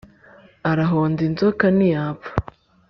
arahonda inzoka niyapfa